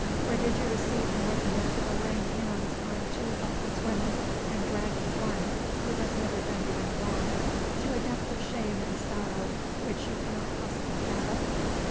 or did you receive more than that for laying hands on two helpless women and dragging one who has never done you any wrong to a depth of shame and sorrow which you cannot possibly fathom?"